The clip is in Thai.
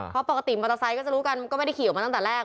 เพราะปกติมอเตอร์ไซค์ก็จะรู้กันก็ไม่ได้ขี่ออกมาตั้งแต่แรก